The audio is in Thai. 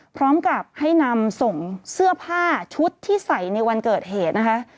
พร้อมกับให้นำส่งเสื้อผ้าชุดที่ใส่ในวันเกิดเหตุนะคะ